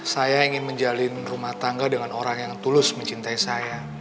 saya ingin menjalin rumah tangga dengan orang yang tulus mencintai saya